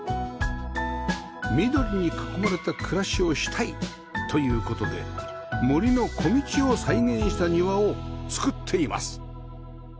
緑に囲まれた暮らしをしたいという事で森の小道を再現した庭を造っています